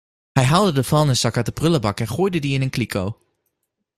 Hij haalde de vuilniszak uit de prullenbak en gooide die in een kliko.